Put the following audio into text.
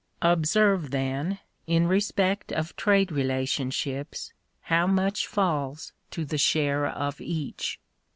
Observe, then, in respect of trade relationships, how much falls to the share of each.